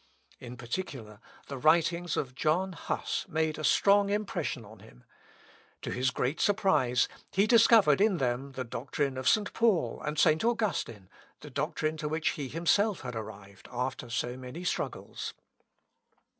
In particular, the writings of John Huss made a strong impression on him. To his great surprise, he discovered in them the doctrine of St. Paul and St. Augustine, the doctrine to which he had himself arrived, after so many struggles.